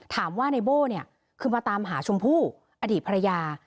ถามว่าในโบ้นคือมาตามหาชมพู่อดีตพระยา